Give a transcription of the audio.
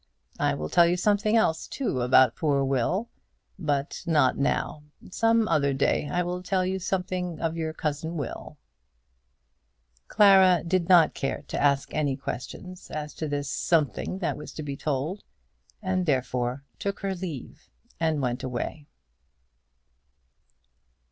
I will tell you something else, too, about poor Will but not now. Some other day I will tell you something of your cousin Will." Clara did not care to ask any questions as to this something that was to be told, and therefore took her leave and went away.